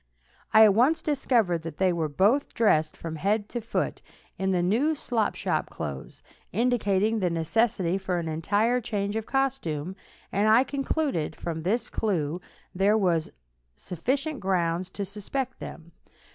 I at once discovered that they were both dressed from head to foot in new slop shop clothes, indicating the necessity for an entire change of costume, and I concluded from this clue there were sufficient grounds to suspect them.